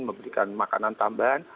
memberikan makanan tambahan